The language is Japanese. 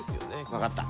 わかった。